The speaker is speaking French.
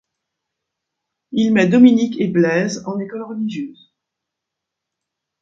Il met Dominique et Blaise en école religieuse.